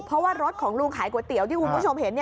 เพราะว่ารถของลุงขายก๋วยเตี๋ยวที่คุณผู้ชมเห็น